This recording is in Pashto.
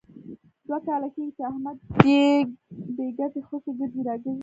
دوه کاله کېږي، چې احمد بې ګټې خوشې ګرځي را ګرځي.